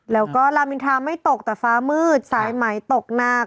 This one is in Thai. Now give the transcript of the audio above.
แล้วก็ลามอินทราไม่ตกแต่ฟ้ามืดสายไหมตกหนัก